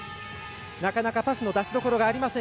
なかなかパスの出しどころがありません。